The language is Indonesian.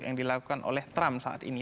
yang dilakukan oleh trump saat ini